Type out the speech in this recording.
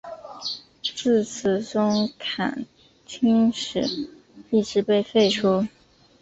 自此中圻钦使一职被废除。